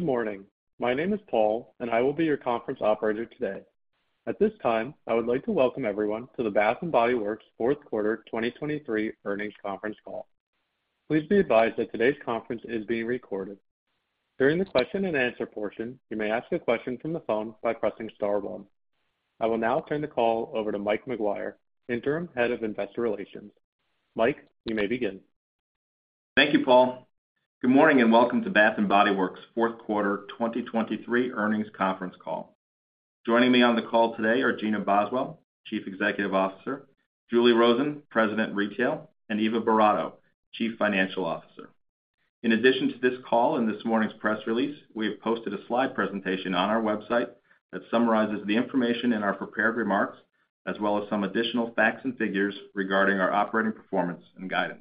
Good morning. My name is Paul, and I will be your conference operator today. At this time, I would like to welcome everyone to the Bath & Body Works Fourth Quarter 2023 Earnings Conference Call. Please be advised that today's conference is being recorded. During the question-and-answer portion, you may ask a question from the phone by pressing star one. I will now turn the call over to Mike McGuire, Interim Head of Investor Relations. Mike, you may begin. Thank you, Paul. Good morning and welcome to Bath & Body Works Fourth Quarter 2023 Earnings Conference Call. Joining me on the call today are Gina Boswell, Chief Executive Officer, Julie Rosen, President, Retail, and Eva Boratto, Chief Financial Officer. In addition to this call and this morning's press release, we have posted a slide presentation on our website that summarizes the information in our prepared remarks as well as some additional facts and figures regarding our operating performance and guidance.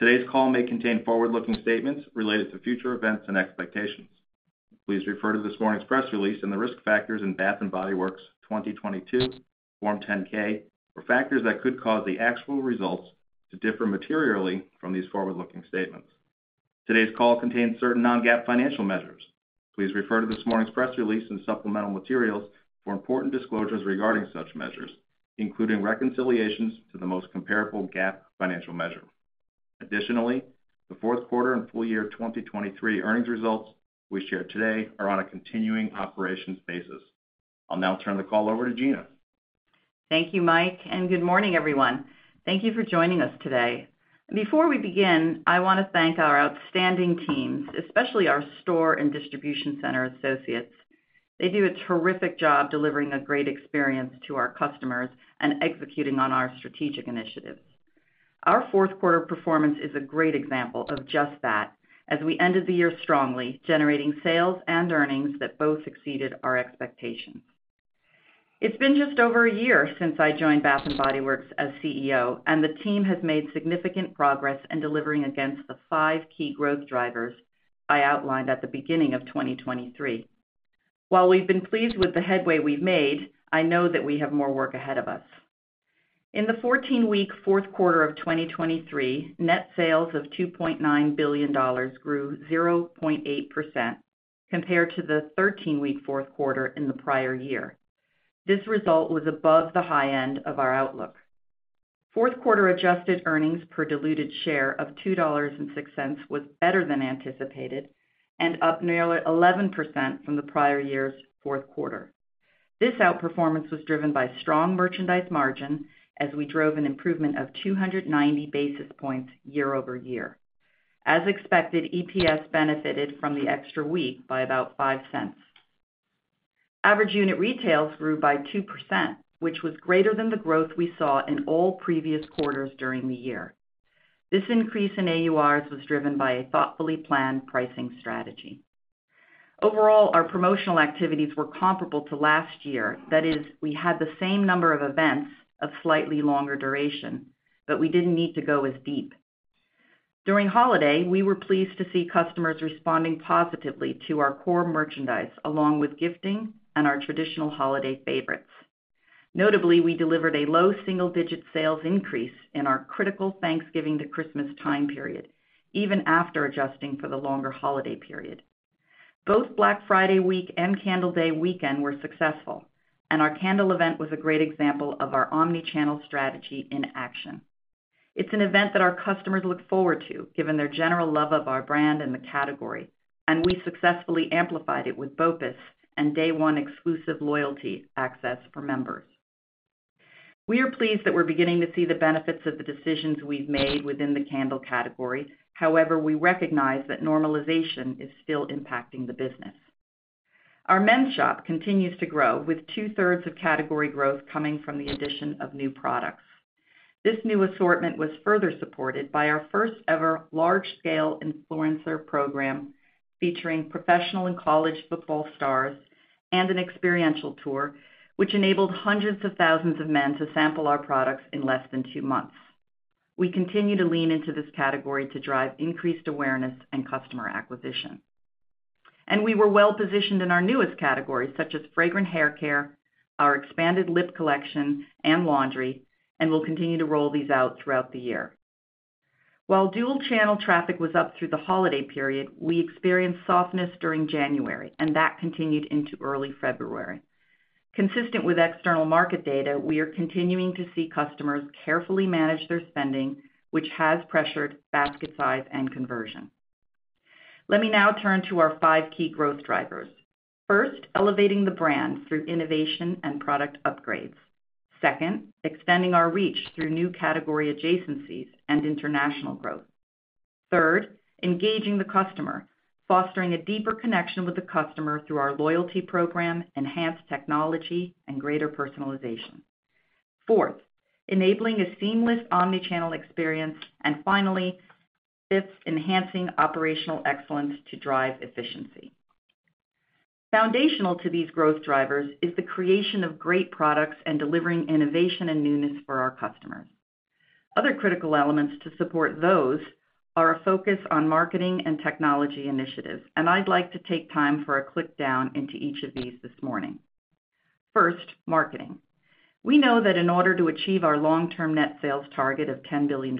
Today's call may contain forward-looking statements related to future events and expectations. Please refer to this morning's press release and the risk factors in Bath & Body Works' 2022 Form 10-K or factors that could cause the actual results to differ materially from these forward-looking statements. Today's call contains certain non-GAAP financial measures. Please refer to this morning's press release and supplemental materials for important disclosures regarding such measures, including reconciliations to the most comparable GAAP financial measure. Additionally, the fourth quarter and full year 2023 earnings results we shared today are on a continuing operations basis. I'll now turn the call over to Gina. Thank you, Mike, and good morning, everyone. Thank you for joining us today. Before we begin, I want to thank our outstanding teams, especially our store and distribution center associates. They do a terrific job delivering a great experience to our customers and executing on our strategic initiatives. Our fourth quarter performance is a great example of just that, as we ended the year strongly, generating sales and earnings that both exceeded our expectations. It's been just over a year since I joined Bath & Body Works as CEO, and the team has made significant progress in delivering against the five key growth drivers I outlined at the beginning of 2023. While we've been pleased with the headway we've made, I know that we have more work ahead of us. In the 14-week fourth quarter of 2023, net sales of $2.9 billion grew 0.8% compared to the 13-week fourth quarter in the prior year. This result was above the high end of our outlook. Fourth quarter adjusted earnings per diluted share of $2.06 was better than anticipated and up nearly 11% from the prior year's fourth quarter. This outperformance was driven by strong merchandise margin as we drove an improvement of 290 basis points year-over-year. As expected, EPS benefited from the extra week by about $0.05. Average unit retails grew by 2%, which was greater than the growth we saw in all previous quarters during the year. This increase in AURs was driven by a thoughtfully planned pricing strategy. Overall, our promotional activities were comparable to last year. That is, we had the same number of events of slightly longer duration, but we didn't need to go as deep. During holiday, we were pleased to see customers responding positively to our core merchandise along with gifting and our traditional holiday favorites. Notably, we delivered a low single-digit sales increase in our critical Thanksgiving to Christmas time period, even after adjusting for the longer holiday period. Both Black Friday week and Candle Day weekend were successful, and our candle event was a great example of our omnichannel strategy in action. It's an event that our customers look forward to given their general love of our brand and the category, and we successfully amplified it with BOPIS and day-one exclusive loyalty access for members. We are pleased that we're beginning to see the benefits of the decisions we've made within the candle category. However, we recognize that normalization is still impacting the business. Our men's shop continues to grow, with two-thirds of category growth coming from the addition of new products. This new assortment was further supported by our first-ever large-scale influencer program featuring professional and college football stars and an experiential tour, which enabled hundreds of thousands of men to sample our products in less than two months. We continue to lean into this category to drive increased awareness and customer acquisition. We were well-positioned in our newest categories, such as fragrant hair care, our expanded lip collection, and laundry, and will continue to roll these out throughout the year. While dual-channel traffic was up through the holiday period, we experienced softness during January, and that continued into early February. Consistent with external market data, we are continuing to see customers carefully manage their spending, which has pressured basket size and conversion. Let me now turn to our five key growth drivers. First, elevating the brand through innovation and product upgrades. Second, extending our reach through new category adjacencies and international growth. Third, engaging the customer, fostering a deeper connection with the customer through our loyalty program, enhanced technology, and greater personalization. Fourth, enabling a seamless omnichannel experience. Finally, fifth, enhancing operational excellence to drive efficiency. Foundational to these growth drivers is the creation of great products and delivering innovation and newness for our customers. Other critical elements to support those are a focus on marketing and technology initiatives, and I'd like to take time for a deep dive into each of these this morning. First, marketing. We know that in order to achieve our long-term net sales target of $10 billion,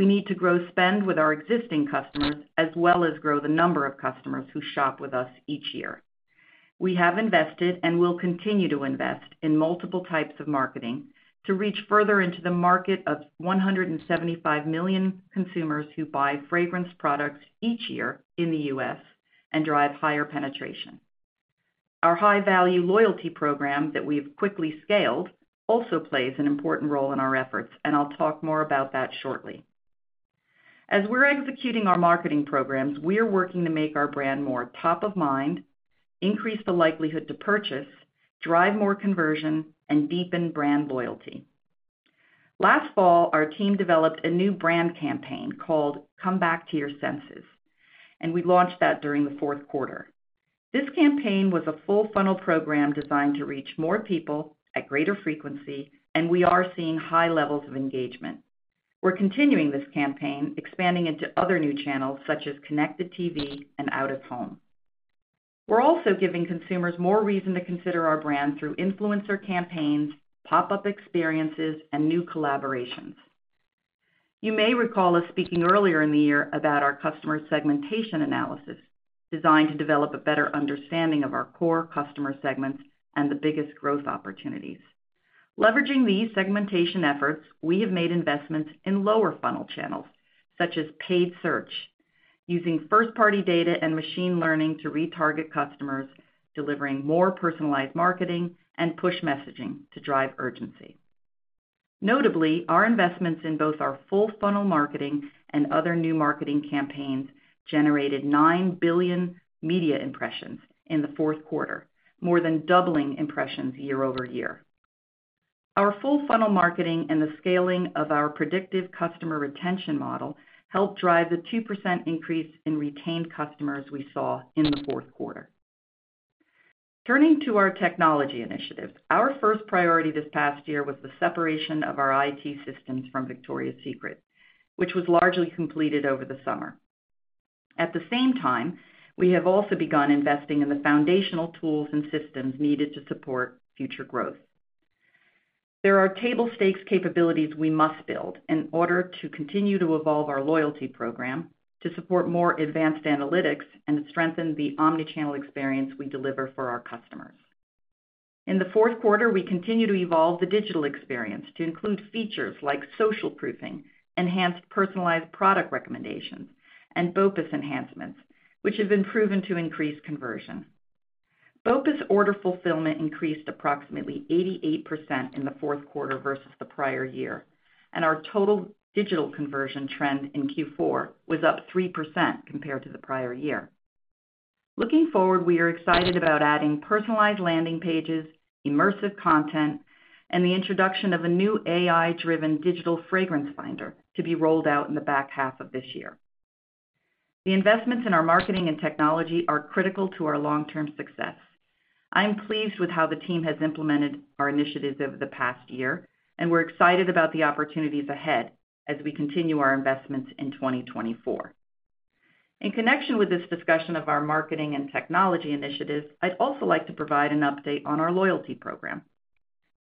we need to grow spend with our existing customers as well as grow the number of customers who shop with us each year. We have invested and will continue to invest in multiple types of marketing to reach further into the market of 175 million consumers who buy fragrance products each year in the U.S. and drive higher penetration. Our high-value loyalty program that we have quickly scaled also plays an important role in our efforts, and I'll talk more about that shortly. As we're executing our marketing programs, we're working to make our brand more top of mind, increase the likelihood to purchase, drive more conversion, and deepen brand loyalty. Last fall, our team developed a new brand campaign called Come Back to Your Senses, and we launched that during the fourth quarter. This campaign was a full-funnel program designed to reach more people at greater frequency, and we are seeing high levels of engagement. We're continuing this campaign, expanding into other new channels such as connected TV and out-of-home. We're also giving consumers more reason to consider our brand through influencer campaigns, pop-up experiences, and new collaborations. You may recall us speaking earlier in the year about our customer segmentation analysis designed to develop a better understanding of our core customer segments and the biggest growth opportunities. Leveraging these segmentation efforts, we have made investments in lower-funnel channels such as paid search, using first-party data and machine learning to retarget customers, delivering more personalized marketing, and push messaging to drive urgency. Notably, our investments in both our full-funnel marketing and other new marketing campaigns generated nine billion media impressions in the fourth quarter, more than doubling impressions year-over-year. Our full-funnel marketing and the scaling of our predictive customer retention model helped drive the 2% increase in retained customers we saw in the fourth quarter. Turning to our technology initiatives, our first priority this past year was the separation of our IT systems from Victoria's Secret, which was largely completed over the summer. At the same time, we have also begun investing in the foundational tools and systems needed to support future growth. There are table stakes capabilities we must build in order to continue to evolve our loyalty program to support more advanced analytics and strengthen the omnichannel experience we deliver for our customers. In the fourth quarter, we continue to evolve the digital experience to include features like social proofing, enhanced personalized product recommendations, and BOPIS enhancements, which have been proven to increase conversion. BOPIS order fulfillment increased approximately 88% in the fourth quarter versus the prior year, and our total digital conversion trend in Q4 was up 3% compared to the prior year. Looking forward, we are excited about adding personalized landing pages, immersive content, and the introduction of a new AI-driven digital fragrance finder to be rolled out in the back half of this year. The investments in our marketing and technology are critical to our long-term success. I am pleased with how the team has implemented our initiatives over the past year, and we're excited about the opportunities ahead as we continue our investments in 2024. In connection with this discussion of our marketing and technology initiatives, I'd also like to provide an update on our loyalty program.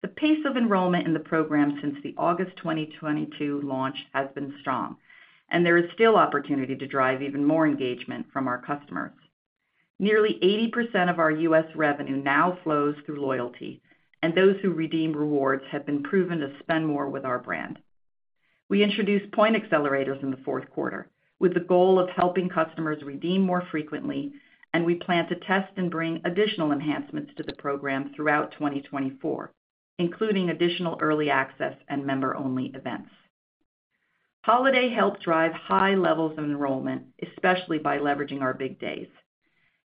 The pace of enrollment in the program since the August 2022 launch has been strong, and there is still opportunity to drive even more engagement from our customers. Nearly 80% of our U.S. revenue now flows through loyalty, and those who redeem rewards have been proven to spend more with our brand. We introduced point accelerators in the fourth quarter with the goal of helping customers redeem more frequently, and we plan to test and bring additional enhancements to the program throughout 2024, including additional early access and member-only events. Holiday helped drive high levels of enrollment, especially by leveraging our big days.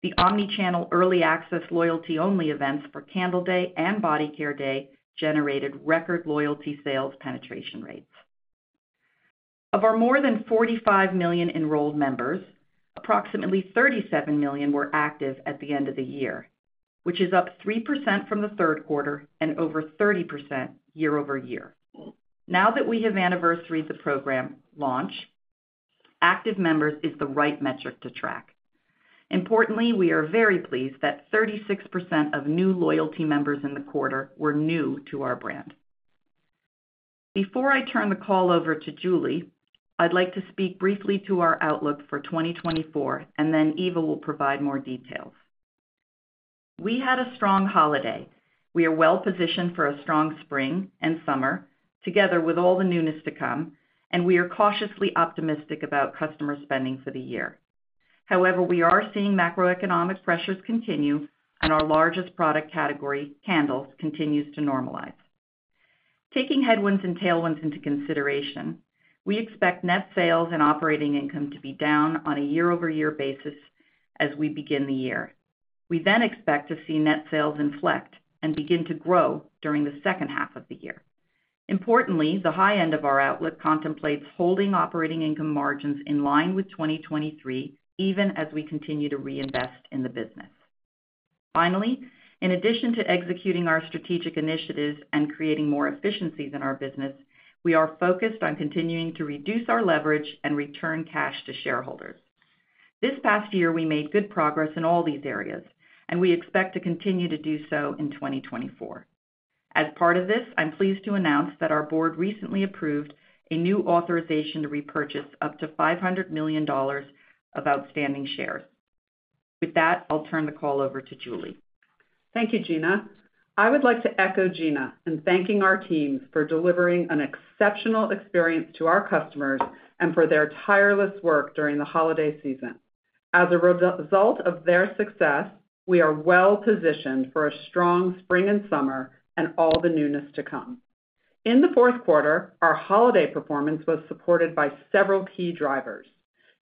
The omnichannel early access loyalty-only events for Candle Day and Body Care Day generated record loyalty sales penetration rates. Of our more than 45 million enrolled members, approximately 37 million were active at the end of the year, which is up 3% from the third quarter and over 30% year-over-year. Now that we have anniversaried the program launch, active members is the right metric to track. Importantly, we are very pleased that 36% of new loyalty members in the quarter were new to our brand. Before I turn the call over to Julie, I'd like to speak briefly to our outlook for 2024, and then Eva will provide more details. We had a strong holiday. We are well-positioned for a strong spring and summer together with all the newness to come, and we are cautiously optimistic about customer spending for the year. However, we are seeing macroeconomic pressures continue, and our largest product category, candles, continues to normalize. Taking headwinds and tailwinds into consideration, we expect net sales and operating income to be down on a year-over-year basis as we begin the year. We then expect to see net sales inflect and begin to grow during the second half of the year. Importantly, the high end of our outlook contemplates holding operating income margins in line with 2023 even as we continue to reinvest in the business. Finally, in addition to executing our strategic initiatives and creating more efficiencies in our business, we are focused on continuing to reduce our leverage and return cash to shareholders. This past year, we made good progress in all these areas, and we expect to continue to do so in 2024. As part of this, I'm pleased to announce that our board recently approved a new authorization to repurchase up to $500 million of outstanding shares. With that, I'll turn the call over to Julie. Thank you, Gina. I would like to echo Gina in thanking our team for delivering an exceptional experience to our customers and for their tireless work during the holiday season. As a result of their success, we are well-positioned for a strong spring and summer and all the newness to come. In the fourth quarter, our holiday performance was supported by several key drivers,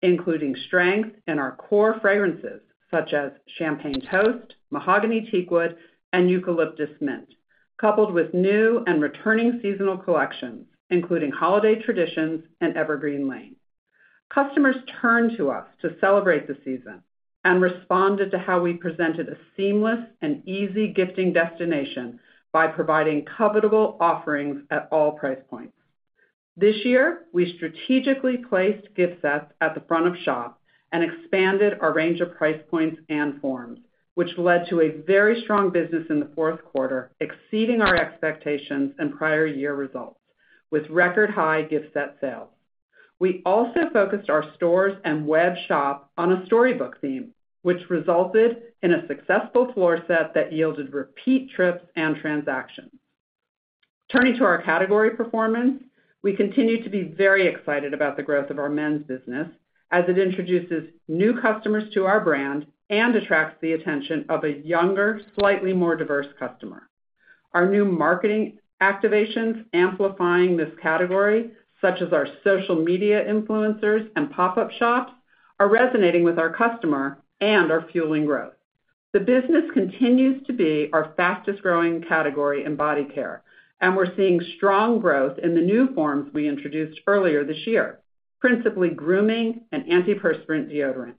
including strength in our core fragrances such as Champagne Toast, Mahogany Teakwood, and Eucalyptus Mint, coupled with new and returning seasonal collections including Holiday Traditions and Evergreen Lane. Customers turned to us to celebrate the season and responded to how we presented a seamless and easy gifting destination by providing covetable offerings at all price points. This year, we strategically placed gift sets at the front of shop and expanded our range of price points and forms, which led to a very strong business in the fourth quarter exceeding our expectations and prior year results with record-high gift set sales. We also focused our stores and web shop on a storybook theme, which resulted in a successful floor set that yielded repeat trips and transactions. Turning to our category performance, we continue to be very excited about the growth of our men's business as it introduces new customers to our brand and attracts the attention of a younger, slightly more diverse customer. Our new marketing activations amplifying this category, such as our social media influencers and pop-up shops, are resonating with our customer and are fueling growth. The business continues to be our fastest-growing category in body care, and we're seeing strong growth in the new forms we introduced earlier this year, principally grooming and antiperspirant deodorant.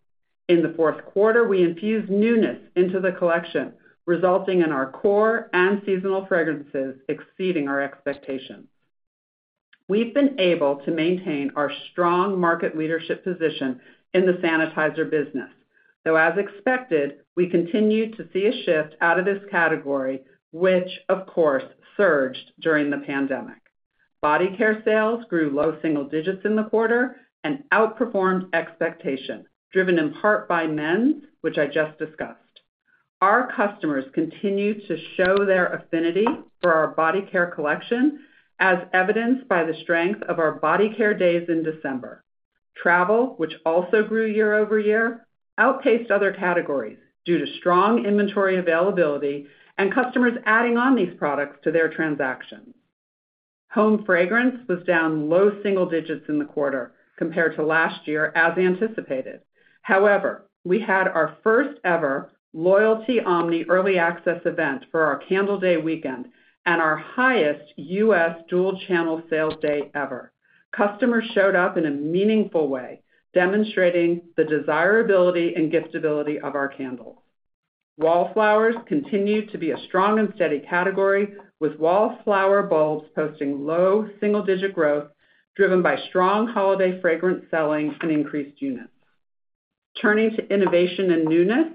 In the fourth quarter, we infused newness into the collection, resulting in our core and seasonal fragrances exceeding our expectations. We've been able to maintain our strong market leadership position in the sanitizer business, though as expected, we continue to see a shift out of this category, which, of course, surged during the pandemic. Body care sales grew low single digits in the quarter and outperformed expectation, driven in part by men's, which I just discussed. Our customers continue to show their affinity for our body care collection, as evidenced by the strength of our body care days in December. Travel, which also grew year-over-year, outpaced other categories due to strong inventory availability and customers adding on these products to their transactions. Home fragrance was down low-single-digits in the quarter compared to last year as anticipated. However, we had our first-ever loyalty omni early access event for our Candle Day weekend and our highest U.S. dual-channel sales day ever. Customers showed up in a meaningful way, demonstrating the desirability and giftability of our candles. Wallflowers continue to be a strong and steady category, with Wallflower bulbs posting low-single-digit growth driven by strong holiday fragrance selling and increased units. Turning to innovation and newness,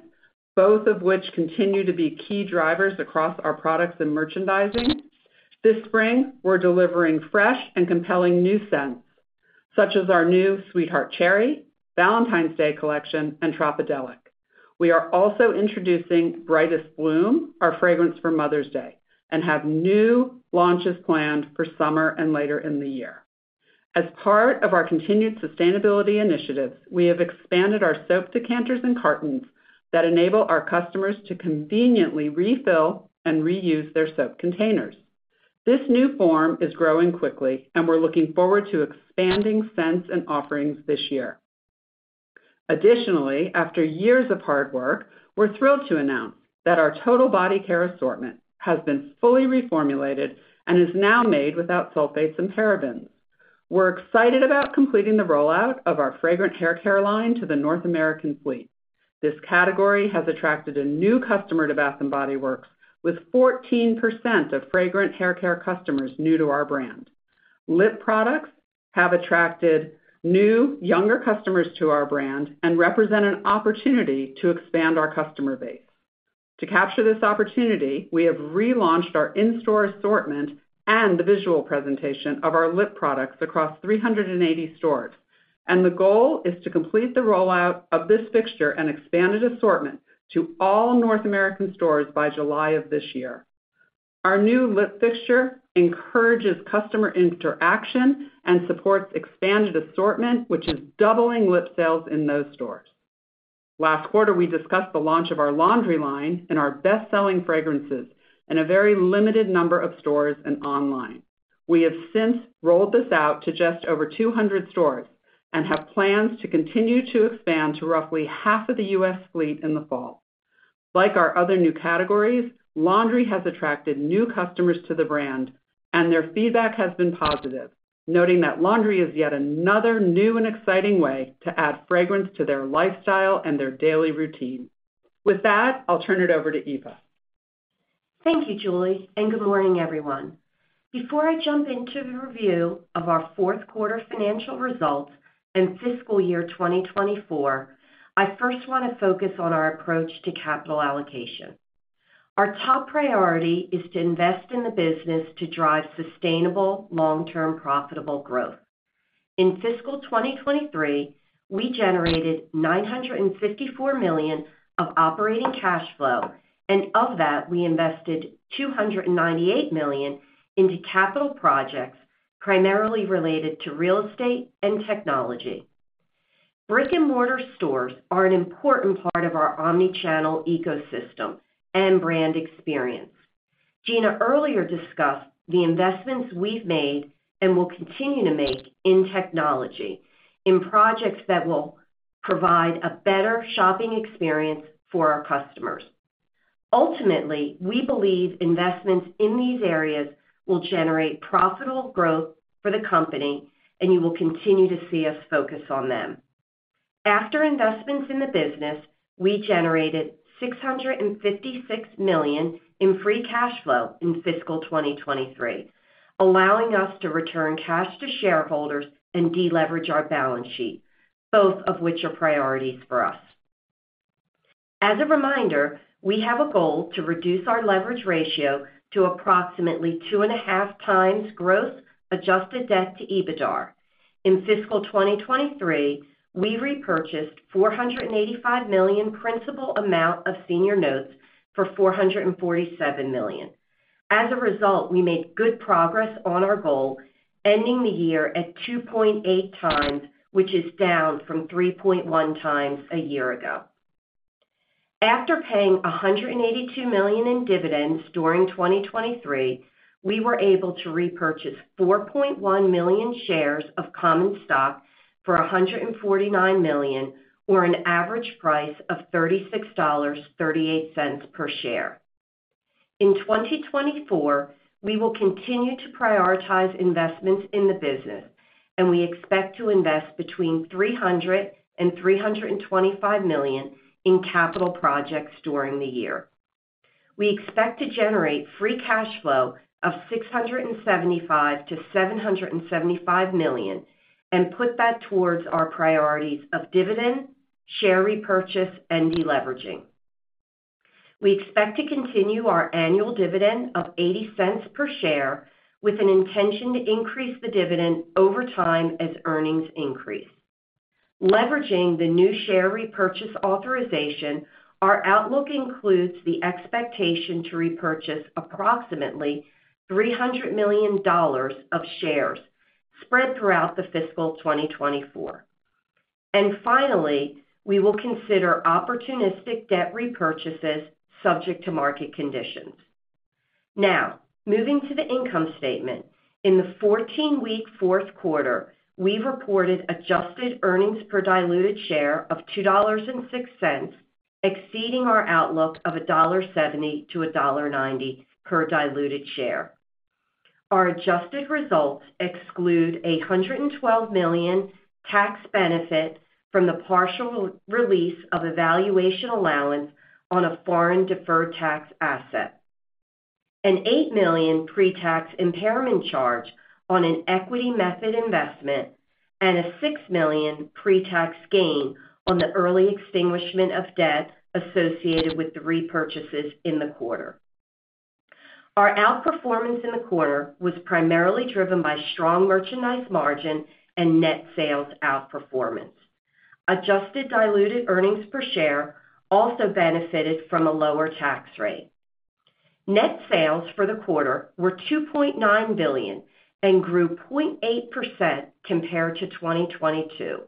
both of which continue to be key drivers across our products and merchandising, this spring, we're delivering fresh and compelling new scents such as our new Sweetheart Cherry, Valentine's Day collection, and Tropidelic. We are also introducing Brightest Bloom, our fragrance for Mother's Day, and have new launches planned for summer and later in the year. As part of our continued sustainability initiatives, we have expanded our soap decanters and cartons that enable our customers to conveniently refill and reuse their soap containers. This new form is growing quickly, and we're looking forward to expanding scents and offerings this year. Additionally, after years of hard work, we're thrilled to announce that our total body care assortment has been fully reformulated and is now made without sulfates and parabens. We're excited about completing the rollout of our fragrant hair care line to the North American fleet. This category has attracted a new customer to Bath & Body Works, with 14% of fragrant hair care customers new to our brand. Lip products have attracted new, younger customers to our brand and represent an opportunity to expand our customer base. To capture this opportunity, we have relaunched our in-store assortment and the visual presentation of our lip products across 380 stores, and the goal is to complete the rollout of this fixture and expanded assortment to all North American stores by July of this year. Our new lip fixture encourages customer interaction and supports expanded assortment, which is doubling lip sales in those stores. Last quarter, we discussed the launch of our laundry line and our best-selling fragrances in a very limited number of stores and online. We have since rolled this out to just over 200 stores and have plans to continue to expand to roughly half of the U.S. fleet in the fall. Like our other new categories, laundry has attracted new customers to the brand, and their feedback has been positive, noting that laundry is yet another new and exciting way to add fragrance to their lifestyle and their daily routine. With that, I'll turn it over to Eva. Thank you, Julie, and good morning, everyone. Before I jump into the review of our fourth quarter financial results and fiscal year 2024, I first want to focus on our approach to capital allocation. Our top priority is to invest in the business to drive sustainable, long-term profitable growth. In fiscal 2023, we generated $954 million of operating cash flow, and of that, we invested $298 million into capital projects primarily related to real estate and technology. Brick-and-mortar stores are an important part of our omnichannel ecosystem and brand experience. Gina earlier discussed the investments we've made and will continue to make in technology in projects that will provide a better shopping experience for our customers. Ultimately, we believe investments in these areas will generate profitable growth for the company, and you will continue to see us focus on them. After investments in the business, we generated $656 million in free cash flow in fiscal 2023, allowing us to return cash to shareholders and deleverage our balance sheet, both of which are priorities for us. As a reminder, we have a goal to reduce our leverage ratio to approximately 2.5x gross adjusted debt to EBITDA. In fiscal 2023, we repurchased $485 million principal amount of senior notes for $447 million. As a result, we made good progress on our goal, ending the year at 2.8x, which is down from 3.1x a year ago. After paying $182 million in dividends during 2023, we were able to repurchase 4.1 million shares of common stock for $149 million or an average price of $36.38 per share. In 2024, we will continue to prioritize investments in the business, and we expect to invest between $300 million and $325 million in capital projects during the year. We expect to generate free cash flow of $675 million-$775 million and put that towards our priorities of dividend, share repurchase, and deleveraging. We expect to continue our annual dividend of $0.80 per share with an intention to increase the dividend over time as earnings increase. Leveraging the new share repurchase authorization, our outlook includes the expectation to repurchase approximately $300 million of shares spread throughout the fiscal 2024. Finally, we will consider opportunistic debt repurchases subject to market conditions. Now, moving to the income statement, in the 14-week fourth quarter, we've reported adjusted earnings per diluted share of $2.06, exceeding our outlook of $1.70-$1.90 per diluted share. Our adjusted results exclude a $112 million tax benefit from the partial release of valuation allowance on a foreign deferred tax asset, an $8 million pre-tax impairment charge on an equity method investment, and a $6 million pre-tax gain on the early extinguishment of debt associated with the repurchases in the quarter. Our outperformance in the quarter was primarily driven by strong merchandise margin and net sales outperformance. Adjusted diluted earnings per share also benefited from a lower tax rate. Net sales for the quarter were $2.9 billion and grew 0.8% compared to 2022.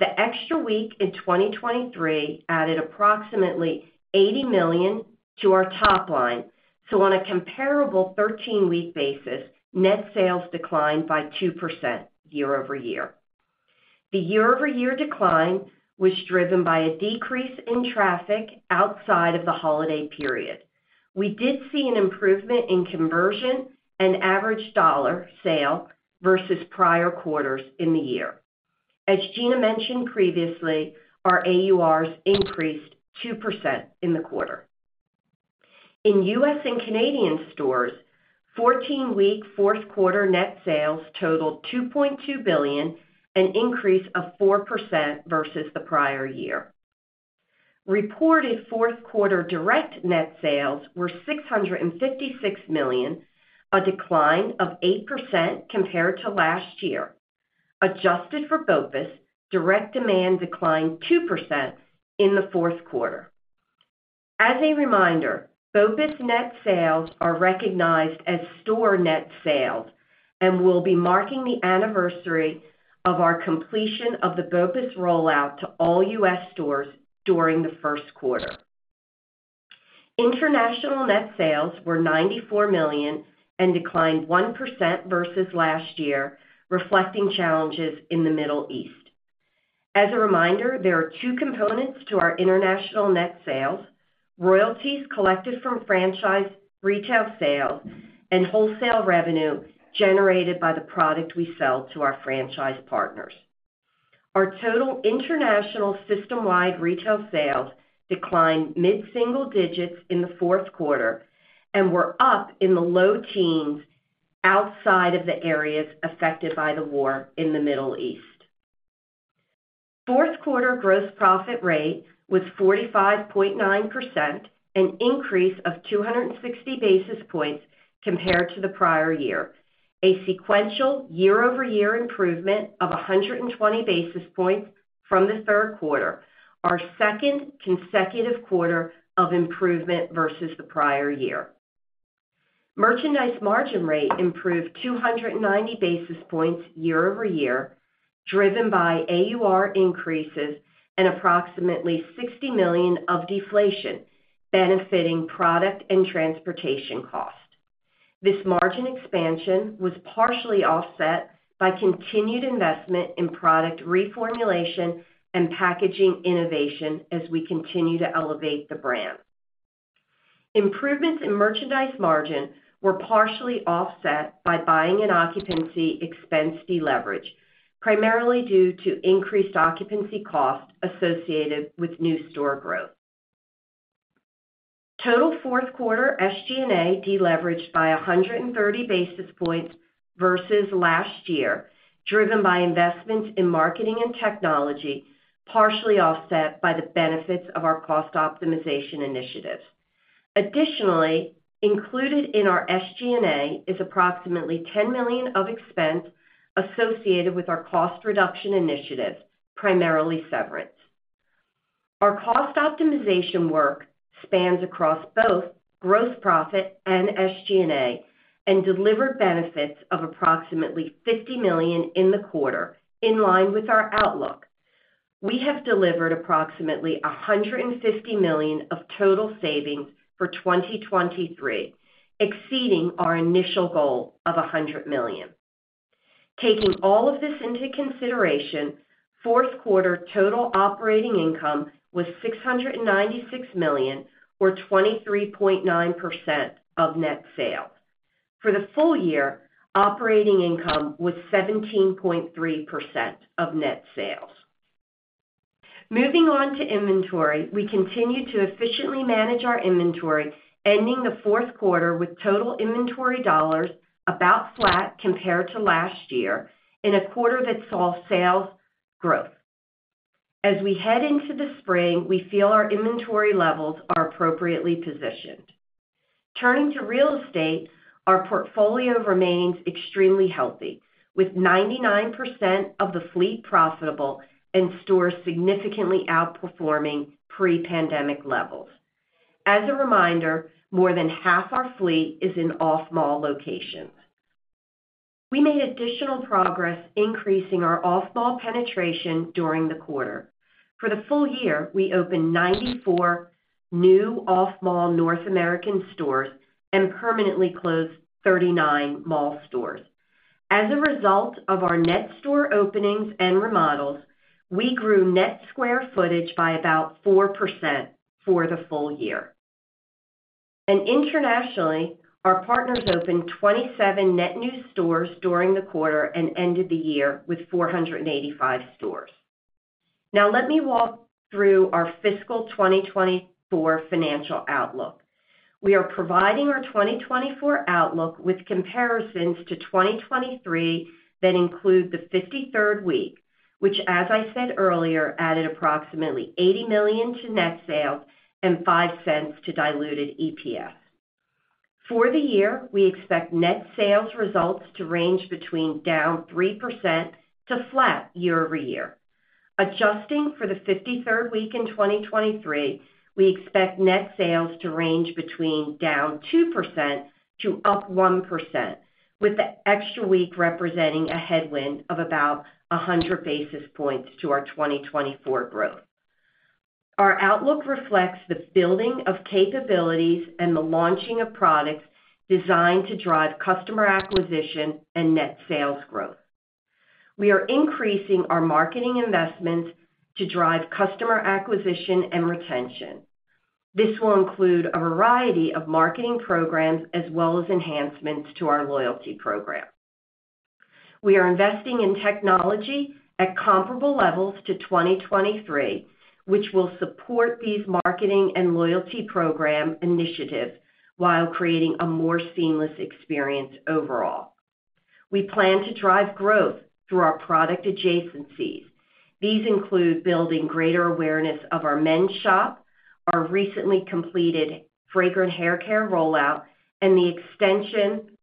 The extra week in 2023 added approximately $80 million to our top line, so on a comparable 13-week basis, net sales declined by 2% year over year. The year-over-year decline was driven by a decrease in traffic outside of the holiday period. We did see an improvement in conversion and average dollar sale versus prior quarters in the year. As Gina mentioned previously, our AURs increased 2% in the quarter. In U.S. and Canadian stores, 14-week fourth quarter net sales totaled $2.2 billion, an increase of 4% versus the prior year. Reported fourth quarter direct net sales were $656 million, a decline of 8% compared to last year. Adjusted for BOPIS, direct demand declined 2% in the fourth quarter. As a reminder, BOPIS net sales are recognized as store net sales and will be marking the anniversary of our completion of the BOPIS rollout to all U.S. stores during the first quarter. International net sales were $94 million and declined 1% versus last year, reflecting challenges in the Middle East. As a reminder, there are two components to our international net sales: royalties collected from franchise retail sales and wholesale revenue generated by the product we sell to our franchise partners. Our total international system-wide retail sales declined mid-single digits in the fourth quarter and were up in the low teens outside of the areas affected by the war in the Middle East. Fourth quarter gross profit rate was 45.9%, an increase of 260 basis points compared to the prior year, a sequential year-over-year improvement of 120 basis points from the third quarter, our second consecutive quarter of improvement versus the prior year. Merchandise margin rate improved 290 basis points year-over-year, driven by AUR increases and approximately $60 million of deflation, benefiting product and transportation costs. This margin expansion was partially offset by continued investment in product reformulation and packaging innovation as we continue to elevate the brand. Improvements in merchandise margin were partially offset by buying and occupancy expense deleverage, primarily due to increased occupancy cost associated with new store growth. Total fourth quarter SG&A deleveraged by 130 basis points versus last year, driven by investments in marketing and technology, partially offset by the benefits of our cost optimization initiatives. Additionally, included in our SG&A is approximately $10 million of expense associated with our cost reduction initiatives, primarily severance. Our cost optimization work spans across both gross profit and SG&A and delivered benefits of approximately $50 million in the quarter, in line with our outlook. We have delivered approximately $150 million of total savings for 2023, exceeding our initial goal of $100 million. Taking all of this into consideration, fourth quarter total operating income was $696 million, or 23.9% of net sales. For the full year, operating income was 17.3% of net sales. Moving on to inventory, we continue to efficiently manage our inventory, ending the fourth quarter with total inventory dollars about flat compared to last year in a quarter that saw sales growth. As we head into the spring, we feel our inventory levels are appropriately positioned. Turning to real estate, our portfolio remains extremely healthy, with 99% of the fleet profitable and stores significantly outperforming pre-pandemic levels. As a reminder, more than half our fleet is in off-mall locations. We made additional progress increasing our off-mall penetration during the quarter. For the full year, we opened 94 new off-mall North American stores and permanently closed 39 mall stores. As a result of our net store openings and remodels, we grew net square footage by about 4% for the full year. Internationally, our partners opened 27 net new stores during the quarter and ended the year with 485 stores. Now, let me walk through our fiscal 2024 financial outlook. We are providing our 2024 outlook with comparisons to 2023 that include the 53rd week, which, as I said earlier, added approximately $80 million to net sales and $0.05 to diluted EPS. For the year, we expect net sales results to range between down 3% to flat year-over-year. Adjusting for the 53rd week in 2023, we expect net sales to range between down 2% to up 1%, with the extra week representing a headwind of about 100 basis points to our 2024 growth. Our outlook reflects the building of capabilities and the launching of products designed to drive customer acquisition and net sales growth. We are increasing our marketing investments to drive customer acquisition and retention. This will include a variety of marketing programs as well as enhancements to our loyalty program. We are investing in technology at comparable levels to 2023, which will support these marketing and loyalty program initiatives while creating a more seamless experience overall. We plan to drive growth through our product adjacencies. These include building greater awareness of our men's shop, our recently completed fragrance haircare rollout, and the extension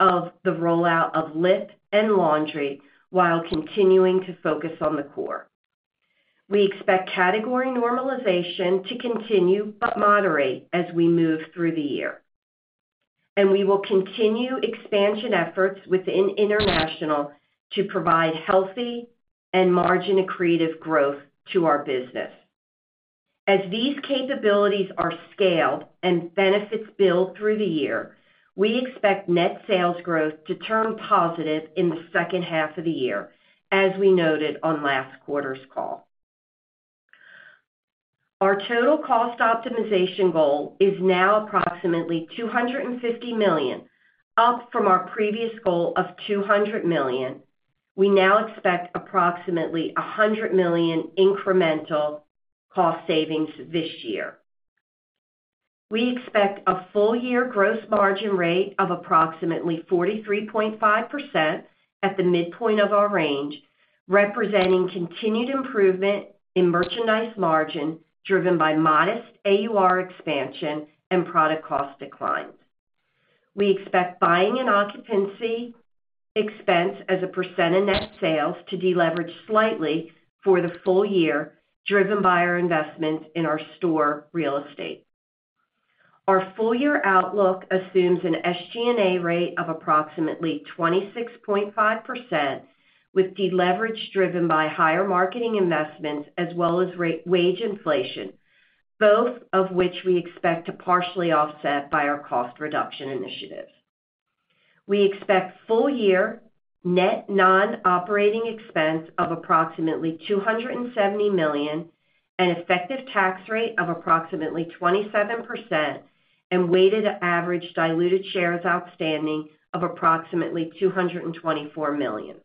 of the rollout of lip and laundry while continuing to focus on the core. We expect category normalization to continue but moderate as we move through the year. We will continue expansion efforts within international to provide healthy and margin accretive growth to our business. As these capabilities are scaled and benefits build through the year, we expect net sales growth to turn positive in the second half of the year, as we noted on last quarter's call. Our total cost optimization goal is now approximately $250 million, up from our previous goal of $200 million. We now expect approximately $100 million incremental cost savings this year. We expect a full-year gross margin rate of approximately 43.5% at the midpoint of our range, representing continued improvement in merchandise margin driven by modest AUR expansion and product cost declines. We expect buying and occupancy expense as a percent of net sales to deleverage slightly for the full year, driven by our investments in our store real estate. Our full-year outlook assumes an SG&A rate of approximately 26.5% with deleverage driven by higher marketing investments as well as wage inflation, both of which we expect to partially offset by our cost reduction initiatives. We expect full-year net non-operating expense of approximately $270 million and effective tax rate of approximately 27% and weighted average diluted shares outstanding of approximately 224 million.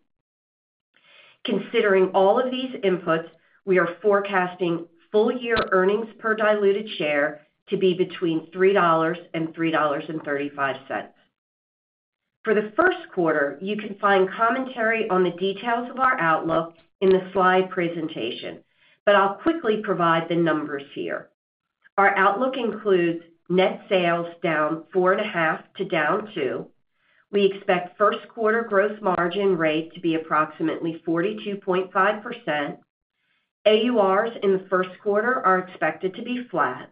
Considering all of these inputs, we are forecasting full-year earnings per diluted share to be between $3 and $3.35. For the first quarter, you can find commentary on the details of our outlook in the slide presentation, but I'll quickly provide the numbers here. Our outlook includes net sales down 4.5% to down 2%. We expect first quarter gross margin rate to be approximately 42.5%. AURs in the first quarter are expected to be flat.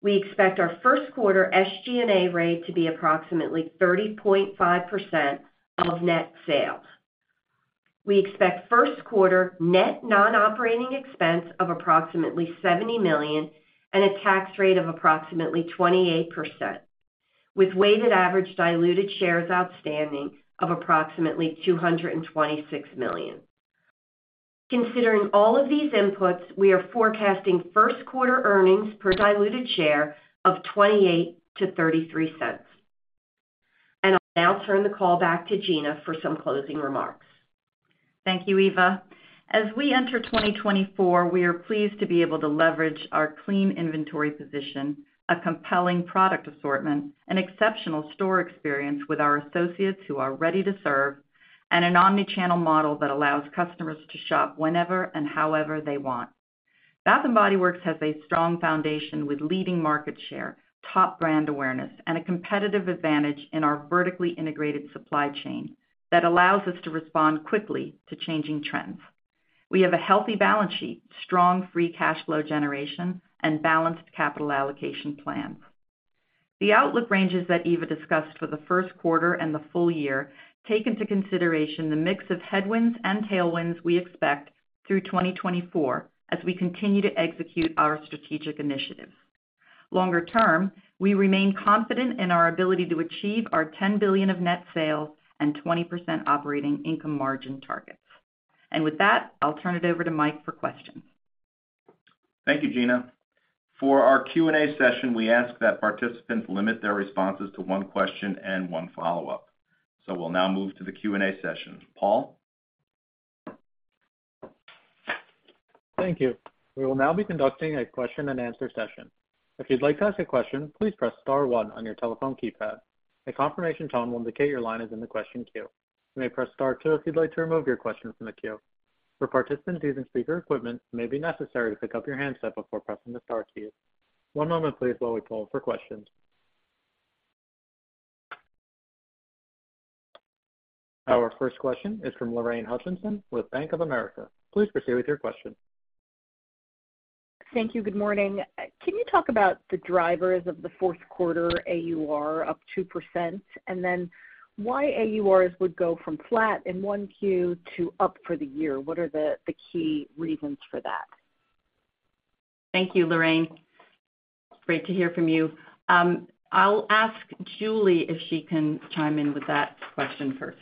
We expect our first quarter SG&A rate to be approximately 30.5% of net sales. We expect first quarter net non-operating expense of approximately $70 million and a tax rate of approximately 28%, with weighted average diluted shares outstanding of approximately 226 million. Considering all of these inputs, we are forecasting first quarter earnings per diluted share of $0.28-$0.33. I'll now turn the call back to Gina for some closing remarks. Thank you, Eva. As we enter 2024, we are pleased to be able to leverage our clean inventory position, a compelling product assortment, an exceptional store experience with our associates who are ready to serve, and an omnichannel model that allows customers to shop whenever and however they want. Bath & Body Works has a strong foundation with leading market share, top brand awareness, and a competitive advantage in our vertically integrated supply chain that allows us to respond quickly to changing trends. We have a healthy balance sheet, strong free cash flow generation, and balanced capital allocation plans. The outlook ranges that Eva discussed for the first quarter and the full year, taking into consideration the mix of headwinds and tailwinds we expect through 2024 as we continue to execute our strategic initiatives. Longer term, we remain confident in our ability to achieve our $10 billion of net sales and 20% operating income margin targets. With that, I'll turn it over to Mike for questions. Thank you, Gina. For our Q&A session, we ask that participants limit their responses to one question and one follow-up. We'll now move to the Q&A session. Paul? Thank you. We will now be conducting a question-and-answer session. If you'd like to ask a question, please press star one on your telephone keypad. A confirmation tone will indicate your line is in the question queue. You may press star two if you'd like to remove your question from the queue. For participants using speaker equipment, it may be necessary to pick up your handset before pressing the star keys. One moment, please, while we pull for questions. Our first question is from Lorraine Hutchinson with Bank of America. Please proceed with your question. Thank you. Good morning. Can you talk about the drivers of the fourth quarter AUR up 2% and then why AURs would go from flat in 1Q to up 4% for the year? What are the key reasons for that? Thank you, Lorraine. Great to hear from you. I'll ask Julie if she can chime in with that question first.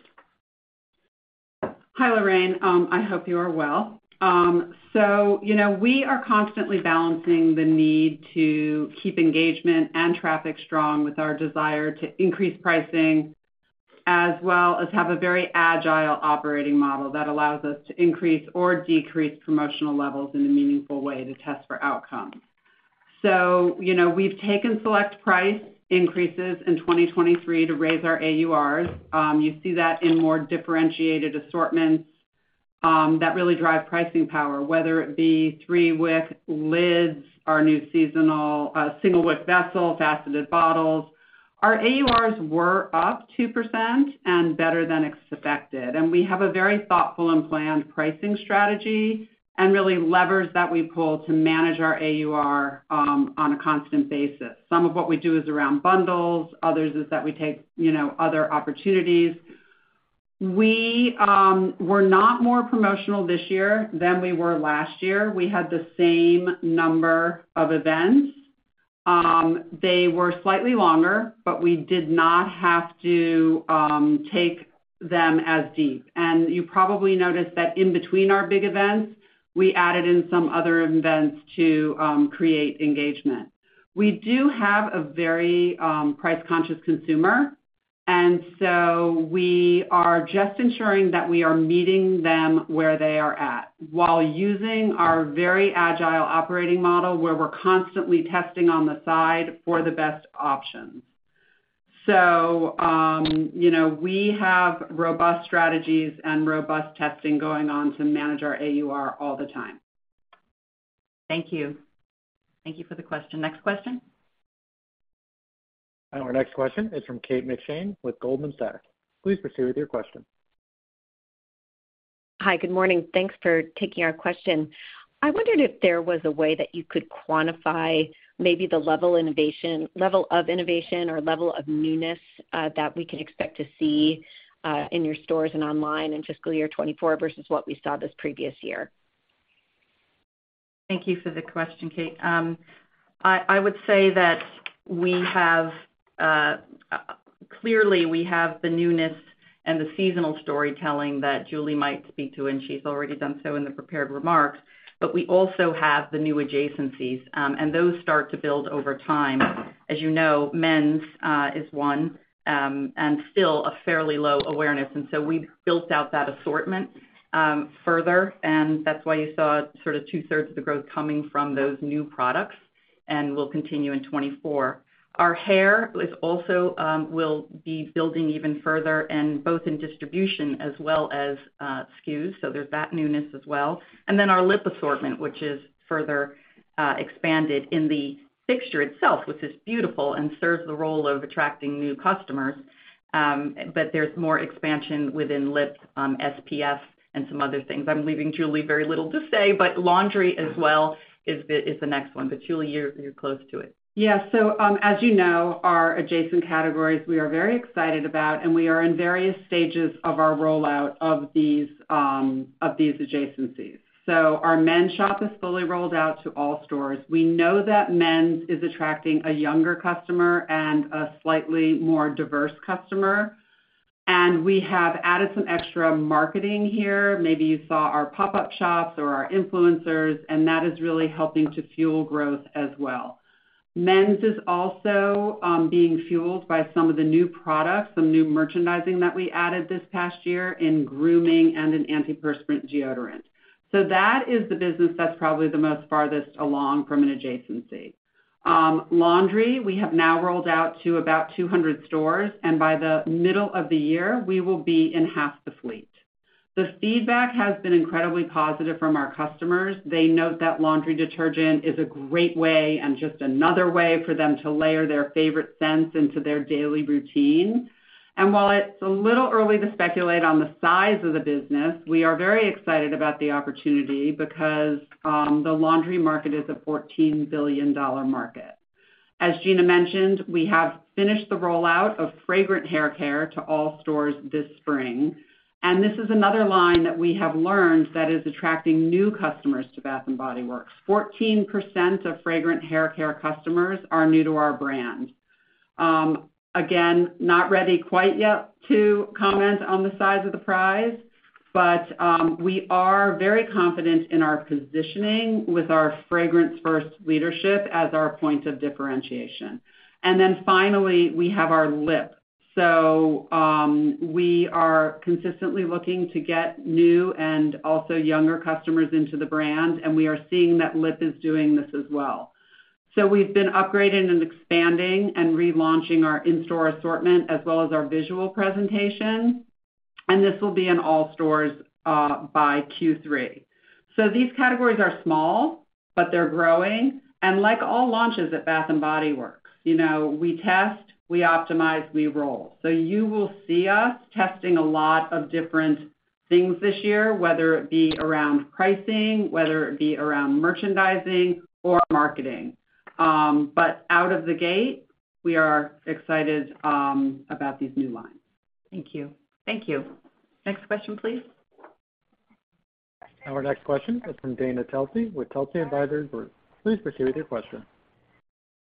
Hi, Lorraine. I hope you are well. So we are constantly balancing the need to keep engagement and traffic strong with our desire to increase pricing as well as have a very agile operating model that allows us to increase or decrease promotional levels in a meaningful way to test for outcomes. So we've taken select price increases in 2023 to raise our AURs. You see that in more differentiated assortments that really drive pricing power, whether it be 3-wick lids, our new seasonal single-wick vessel, faceted bottles. Our AURs were up 2% and better than expected. And we have a very thoughtful and planned pricing strategy and really levers that we pull to manage our AUR on a constant basis. Some of what we do is around bundles. Others is that we take other opportunities. We were not more promotional this year than we were last year. We had the same number of events. They were slightly longer, but we did not have to take them as deep. And you probably noticed that in between our big events, we added in some other events to create engagement. We do have a very price-conscious consumer, and so we are just ensuring that we are meeting them where they are at while using our very agile operating model where we're constantly testing on the side for the best options. So we have robust strategies and robust testing going on to manage our AUR all the time. Thank you. Thank you for the question. Next question? Our next question is from Kate McShane with Goldman Sachs. Please proceed with your question. Hi. Good morning. Thanks for taking our question. I wondered if there was a way that you could quantify maybe the level of innovation or level of newness that we can expect to see in your stores and online in fiscal year 2024 versus what we saw this previous year? Thank you for the question, Kate. I would say that clearly, we have the newness and the seasonal storytelling that Julie might speak to, and she's already done so in the prepared remarks. But we also have the new adjacencies, and those start to build over time. As you know, men's is one and still a fairly low awareness. And so we built out that assortment further, and that's why you saw sort of two-thirds of the growth coming from those new products and will continue in 2024. Our hair will be building even further, both in distribution as well as SKUs. So there's that newness as well. And then our lip assortment, which is further expanded in the fixture itself, which is beautiful and serves the role of attracting new customers. But there's more expansion within lips, SPF, and some other things. I'm leaving Julie very little to say, but laundry as well is the next one. Julie, you're close to it. Yeah. So as you know, our adjacent categories, we are very excited about, and we are in various stages of our rollout of these adjacencies. So our men's shop is fully rolled out to all stores. We know that men's is attracting a younger customer and a slightly more diverse customer. And we have added some extra marketing here. Maybe you saw our pop-up shops or our influencers, and that is really helping to fuel growth as well. Men's is also being fueled by some of the new products, some new merchandising that we added this past year in grooming and an antiperspirant deodorant. So that is the business that's probably the most farthest along from an adjacency. Laundry, we have now rolled out to about 200 stores, and by the middle of the year, we will be in half the fleet. The feedback has been incredibly positive from our customers. They note that laundry detergent is a great way and just another way for them to layer their favorite scents into their daily routine. While it's a little early to speculate on the size of the business, we are very excited about the opportunity because the laundry market is a $14 billion market. As Gina mentioned, we have finished the rollout of fragrant haircare to all stores this spring. This is another line that we have learned that is attracting new customers to Bath & Body Works. 14% of fragrant haircare customers are new to our brand. Again, not ready quite yet to comment on the size of the prize, but we are very confident in our positioning with our fragrance-first leadership as our point of differentiation. Then finally, we have our lip. So we are consistently looking to get new and also younger customers into the brand, and we are seeing that lip is doing this as well. So we've been upgrading and expanding and relaunching our in-store assortment as well as our visual presentation. This will be in all stores by Q3. So these categories are small, but they're growing. And like all launches at Bath & Body Works, we test, we optimize, we roll. So you will see us testing a lot of different things this year, whether it be around pricing, whether it be around merchandising, or marketing. But out of the gate, we are excited about these new lines. Thank you. Thank you. Next question, please. Our next question is from Dana Telsey with Telsey Advisory Group. Please proceed with your question.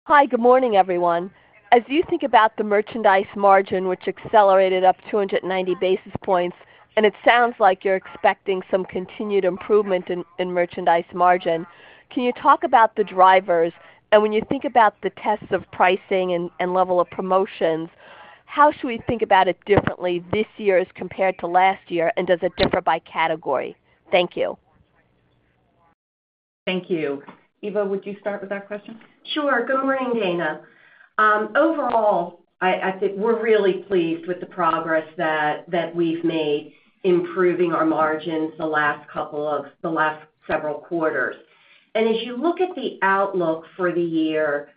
Hi. Good morning, everyone. As you think about the merchandise margin, which accelerated up 290 basis points, and it sounds like you're expecting some continued improvement in merchandise margin, can you talk about the drivers? And when you think about the tests of pricing and level of promotions, how should we think about it differently this year as compared to last year, and does it differ by category? Thank you. Thank you. Eva, would you start with that question? Sure. Good morning, Dana. Overall, we're really pleased with the progress that we've made improving our margins the last several quarters. As you look at the outlook for the year,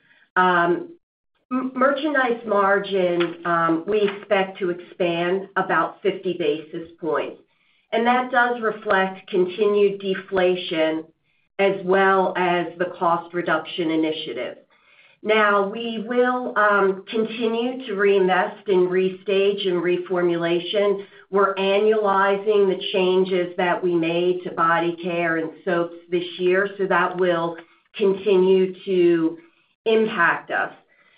merchandise margin, we expect to expand about 50 basis points. That does reflect continued deflation as well as the cost reduction initiative. Now, we will continue to reinvest in restage and reformulation. We're annualizing the changes that we made to body care and soaps this year, so that will continue to impact us.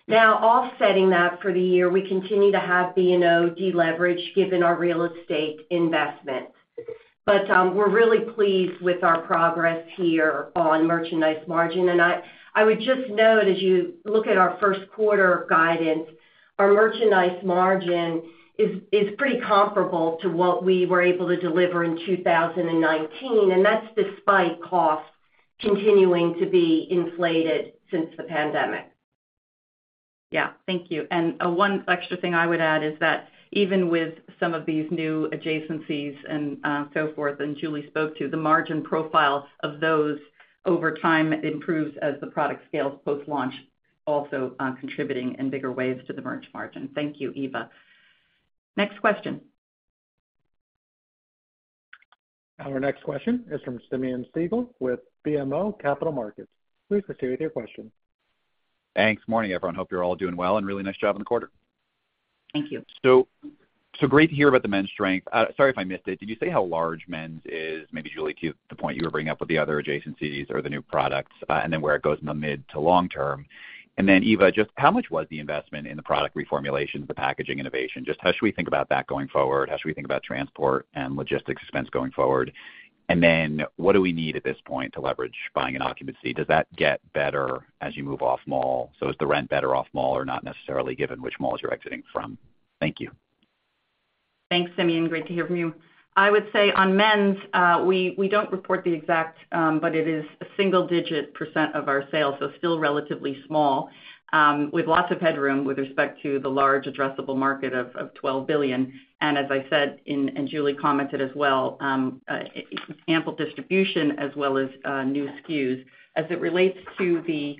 Now, offsetting that for the year, we continue to have B&O deleveraged given our real estate investment. But we're really pleased with our progress here on merchandise margin. I would just note, as you look at our first quarter guidance, our Merchandise Margin is pretty comparable to what we were able to deliver in 2019, and that's despite cost continuing to be inflated since the pandemic. Yeah. Thank you. And one extra thing I would add is that even with some of these new adjacencies and so forth, and Julie spoke to, the margin profile of those over time improves as the product scales post-launch, also contributing in bigger ways to the merch margin. Thank you, Eva. Next question. Our next question is from Simeon Siegel with BMO Capital Markets. Please proceed with your question. Thanks. Morning, everyone. Hope you're all doing well. Really nice job in the quarter. Thank you. So great to hear about the men's strength. Sorry if I missed it. Did you say how large men's is? Maybe, Julie, to the point you were bringing up with the other adjacencies or the new products and then where it goes in the mid- to long-term. And then, Eva, just how much was the investment in the product reformulation, the packaging innovation? Just how should we think about that going forward? How should we think about transport and logistics expense going forward? And then what do we need at this point to leverage buying and occupancy? Does that get better as you move off-mall? So is the rent better off-mall or not necessarily given which mall you're exiting from? Thank you. Thanks, Simeon. Great to hear from you. I would say on men's, we don't report the exact, but it is a single-digit percent of our sales, so still relatively small with lots of headroom with respect to the large addressable market of $12 billion. And as I said, and Julie commented as well, ample distribution as well as new SKUs. As it relates to the